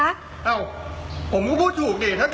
เอ้าผมก็พูดถูกเนี่ย